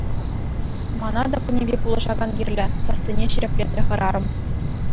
Мана та кунӗпе пулӑшакан кирлӗ, — сассине ҫирӗплетрӗ хӗрарӑм.